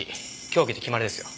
凶器で決まりですよ。